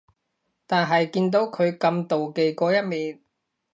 但係見到佢咁妒忌嗰一面